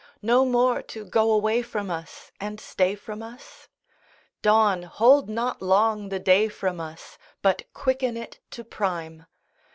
No more to go away from us And stay from us?— Dawn, hold not long the day from us, But quicken it to prime!